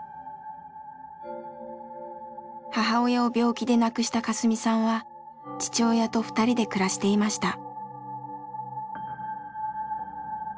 母親を病気で亡くしたカスミさんは父親と２人で暮らしていました。